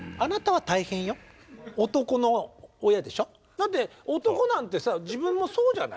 だって男なんてさ自分もそうじゃない。